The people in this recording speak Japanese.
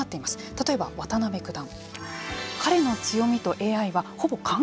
例えば渡辺九段。